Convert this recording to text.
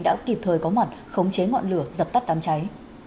đã kịp thời có mặt khống chế ngọn lửa dập tắt đám cháy